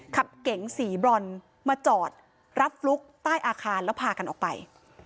เก๋งสีบรอนมาจอดรับฟลุ๊กใต้อาคารแล้วพากันออกไป